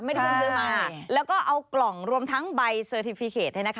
เรียนซื้อมาแล้วก็เอากล่องรวมทั้งใบเซอร์ทีฟีเคต